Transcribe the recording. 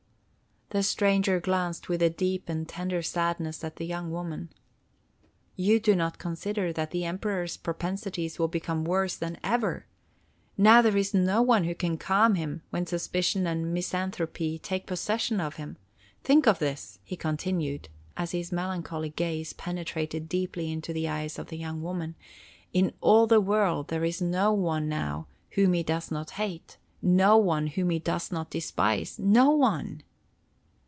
The stranger glanced with a deep and tender sadness at the young woman. "You do not consider that the Emperor's propensities will become worse than ever. Now there is no one who can calm him when suspicion and misanthropy take possession of him. Think of this," he continued, as his melancholy gaze penetrated deeply into the eyes of the young woman, "in all the world there is no one now whom he does not hate; no one whom he does not despise—no one!"